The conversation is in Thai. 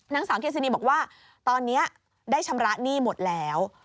นางสาวเกซินีบอกว่าตอนนี้ได้ชำระหนี้หมดแล้ว